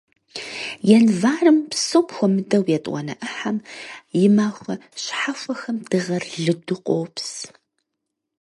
Январым, псом хуэмыдэу етӀуанэ Ӏыхьэм, и махуэ щхьэхуэхэм дыгъэр лыду къопс.